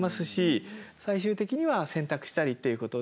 最終的には洗濯したりっていうことで。